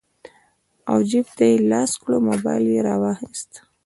او جېب ته يې لاس کړو موبايل يې رواخيست